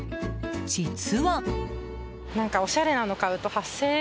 実は。